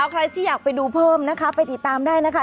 ใครที่อยากไปดูเพิ่มนะคะไปติดตามได้นะคะ